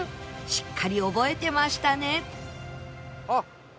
しっかり覚えてましたね